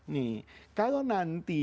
nih kalau nanti